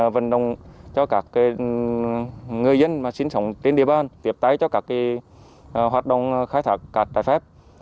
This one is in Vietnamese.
vận động cho các người dân sinh sống trên địa bàn tiếp tay cho các hoạt động khai thác cát trái phép